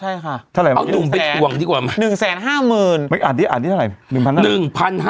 เอาหนึ่งแชน๑๐๕ลื่น